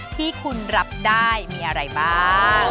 ที่คุณรับได้มีอะไรบ้าง